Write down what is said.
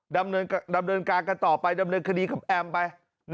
ดำเนินการกันต่อไปดำเนินคดีกับแอมไป